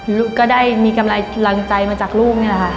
ลูกก็ได้มีกำลังใจมาจากลูกนี่แหละค่ะ